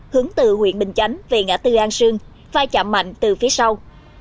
hướng từ huyện bình chánh về ngã tư an sương vai chạm mạnh từ phía sau